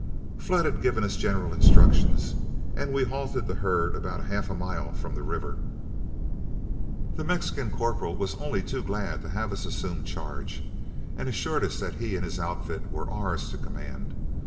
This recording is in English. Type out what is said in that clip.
Flood had given us general instructions, and we halted the herd about half a mile from the river. The Mexican corporal was only too glad to have us assume charge, and assured us that he and his outfit were ours to command.